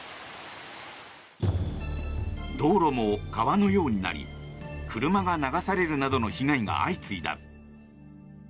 道路も川のようになり車が流されるなどの被害が相次いだ。